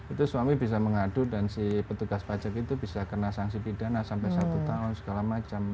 itu suami bisa mengadu dan si petugas pajak itu bisa kena sanksi pidana sampai satu tahun segala macam